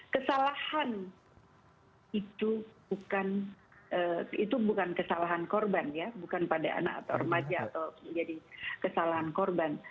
kesalahan itu bukan kesalahan korban ya bukan pada anak atau remaja atau menjadi kesalahan korban